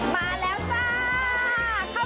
มาแล้วจ้า